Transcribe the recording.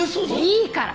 いいから！